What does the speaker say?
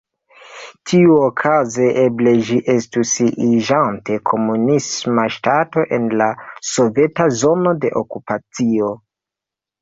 Tiuokaze, eble ĝi estus iĝante komunisma ŝtato en la soveta zono de okupacio.